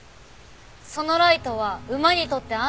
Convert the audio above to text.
そのライトは馬にとって安全ですか？